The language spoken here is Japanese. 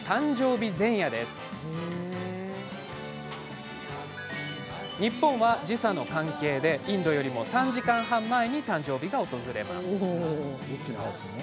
実は日本は時差の関係でインドよりも３時間半前に誕生日が訪れます。